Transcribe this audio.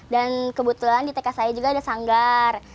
dan kebetulan di tk saya juga ada sanggar